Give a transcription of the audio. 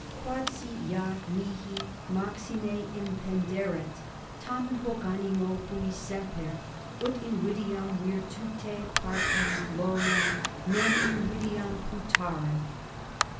Quodsi ea mihi maxime impenderet, tamen hoc animo fui semper, ut invidiam virtute partam gloriam, non invidiam putarem.